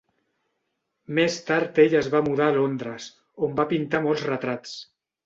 Més tard ell es va mudar a Londres, on va pintar molts retrats.